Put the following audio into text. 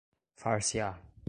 far-se-á